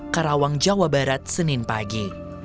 karawang jawa barat senin pagi